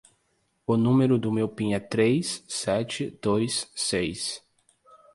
O número do meu pin é três, sete, dois, seis.